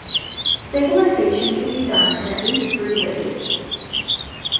Stabilization can be done in at least three ways.